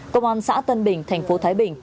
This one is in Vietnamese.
công an xã tân bình thành phố thái bình